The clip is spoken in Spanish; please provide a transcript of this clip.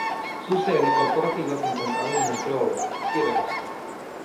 Su sede corporativa se encontraba en Montreal, Quebec.